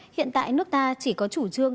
hiện tại nước ta chỉ có chủ trương